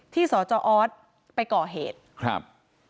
ที่สอไปก่อเหตุครับ